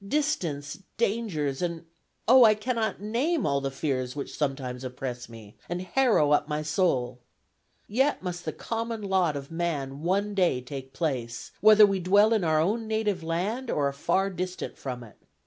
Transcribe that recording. Distance, dangers, and oh, I cannot name all the fears which sometimes oppress me, and harrow up my soul. Yet must the common lot of man one day take place, whether we dwell in our own native land or are far distant from it.